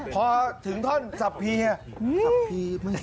พอถึงท่อนสับพี